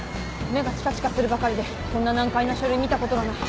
目がちかちかするばかりでこんな難解な書類見たことがない。